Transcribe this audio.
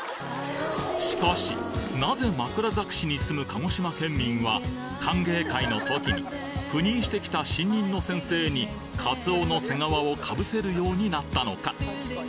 しかし、なぜ枕崎市に住む鹿児島県民は、歓迎会のときに、赴任してきた新任の先生にカツオのせ皮をかぶせるようになったのか。